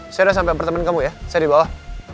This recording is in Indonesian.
saya sudah sampaimann perteman kamu ya saya sudah dibawah